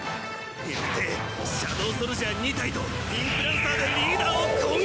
よってシャドウソルジャー２体とインプランサーでリーダーを攻撃！